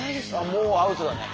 もうアウトだね。